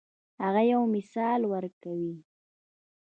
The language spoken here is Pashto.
هغه یو مثال ورکوي.